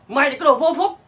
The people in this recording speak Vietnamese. mày là cái đồ vô phúc